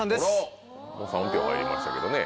３票入りましたけどね。